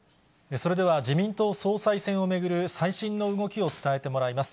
それでは、自民党総裁選を巡る最新の動きを伝えてもらいます。